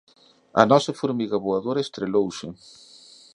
A nosa formiga voadora estrelouse.